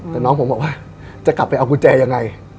แต่น้องผมบอกว่าจะกลับไปเอากุญแจยังไง